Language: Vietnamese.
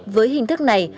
với hình thức này